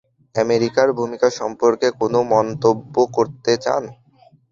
আমেরিকার ভূমিকা সম্পর্কে কোনো মন্তব্য করতে চান?